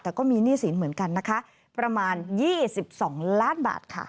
แต่ก็มีหนี้สินเหมือนกันนะคะประมาณ๒๒ล้านบาทค่ะ